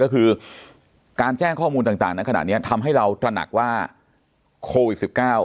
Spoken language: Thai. ก็คือการแจ้งข้อมูลต่างในขณะนี้ทำให้เราตระหนักว่าโควิด๑๙